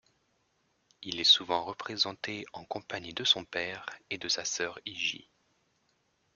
Il est souvent représenté en compagnie de son père et de sa sœur Hygie.